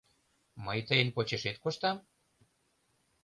Мый тыйын почешет коштам?